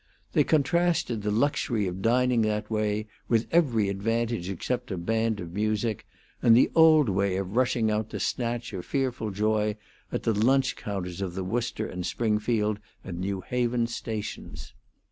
They contrasted the luxury of dining that way, with every advantage except a band of music, and the old way of rushing out to snatch a fearful joy at the lunch counters of the Worcester and Springfield and New Haven stations.